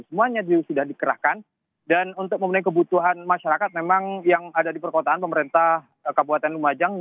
semuanya sudah dikerahkan dan untuk memenuhi kebutuhan masyarakat memang yang ada di perkotaan pemerintah kabupaten lumajang